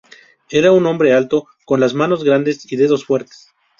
Era un hombre alto, con las manos grandes y dedos fuertes.